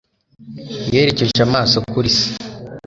Yerekeje amaso kuri se.